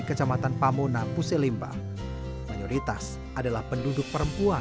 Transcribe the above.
kecamatan pamona puselimba mayoritas adalah penduduk perempuan